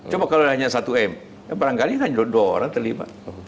coba kalau hanya satu m barangkali hanya dua orang terlibat